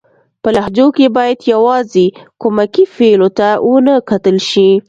په لهجو کښي بايد يوازي کومکي فعلو ته و نه کتل سي.